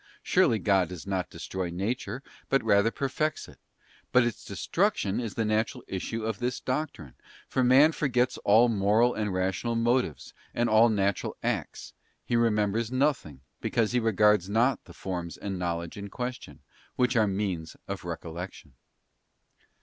Surely God does not destroy nature, but rather perfects it; but its destruction is the natural issue of this doctrine, for man forgets all moral and rational motives, and all natural acts; he remembers nothing, because he regards not the forms and knowledge in question, which are means of recollection.